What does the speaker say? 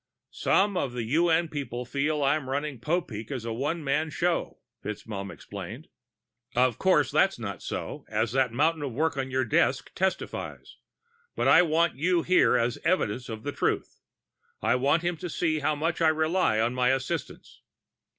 "Some of the UN people feel I'm running Popeek as a one man show," FitzMaugham explained. "Of course, that's not so, as that mountain of work on your desk testifies. But I want you there as evidence of the truth. I want him to see how much I have to rely on my assistants."